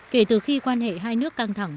kể từ khi quan hệ hai nước căng thẳng